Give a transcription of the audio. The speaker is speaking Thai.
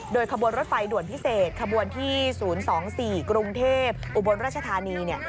โดยขบวนรถไฟด่วนพิเศษขบวนที่ศูนย์สองสี่กรุงเทพอุบรรณราชธานีเนี่ย